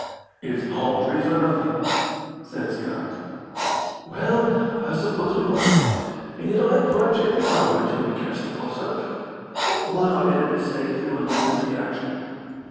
"It's palm trees or nothing," said Scott. "Well, I suppose we must; and yet I grudge every hour until we catch the force up. What would our editors say if we were late for the action?"